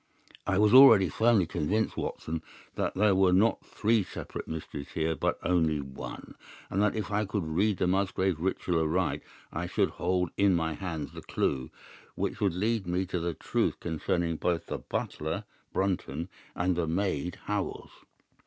"I was already firmly convinced, Watson, that there were not three separate mysteries here, but one only, and that if I could read the Musgrave Ritual aright I should hold in my hand the clue which would lead me to the truth concerning both the butler Brunton and the maid Howells.